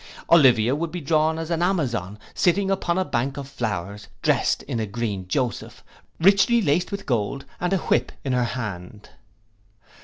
Olivia would be drawn as an Amazon, sitting upon a bank of flowers, drest in a green joseph, richly laced with gold, and a whip in her hand.